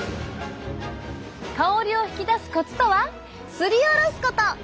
香りを引き出すコツとはすりおろすこと！